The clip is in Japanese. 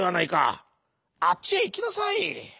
あっちへいきなさい！」。